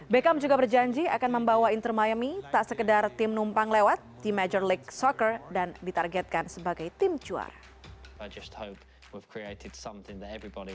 beckham juga berjanji akan membawa inter miami tak sekedar tim numpang lewat di major league soccer dan ditargetkan sebagai tim juara